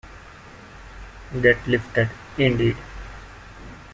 "Get Lifted" indeed.